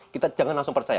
kita jangan langsung percaya